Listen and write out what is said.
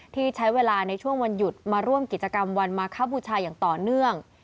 ที่ใช้เวลาในช่วงวันหยุดมาร่วมกิจกรรมวันมาคบูชาอย่างต่อเนื่อง